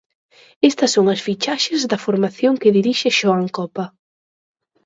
Estas son as fichaxes da formación que dirixe Xoán Copa.